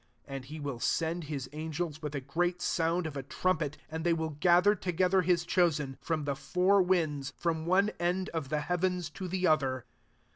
31 And he will send his angels with a great sound of a trum pet; and they will gather to gether his chosen, from the four wmds, from one end of the hea* vena to the other.